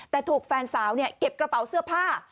แต่ถูกแฟนสาวเก็บกระเป๋าเสื้อผ้า